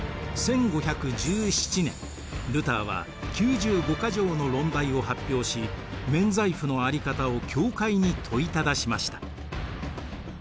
１５１７年ルターは「９５か条の論題」を発表し免罪符のあり方を教会に問いただしました。